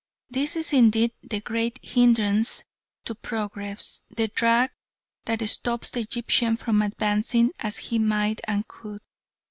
This is indeed the great hindrance to progress, the drag that stops the Egyptian from advancing as he might and could.